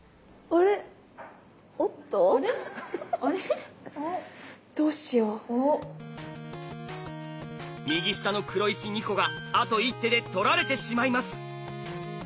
あれっ？右下の黒石２個があと一手で取られてしまいます。